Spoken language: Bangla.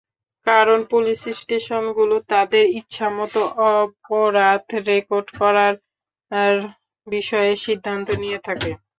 কারণ, পুলিশ স্টেশনগুলো তাদের ইচ্ছামতো অপরাধ রেকর্ড করার বিষয়ে সিদ্ধান্ত নিয়ে থাকে।